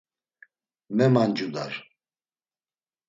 Memamcudar.